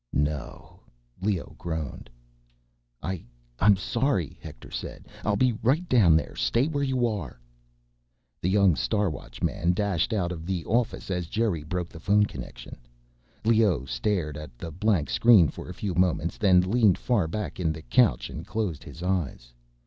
"No," Leoh groaned. "I ... I'm sorry," Hector said. "I'll be right down there. Stay where you are." The young Star Watchman dashed out of the office as Geri broke the phone connection. Leoh stared at the blank screen for a few moments, then leaned far back in the couch and closed his eyes.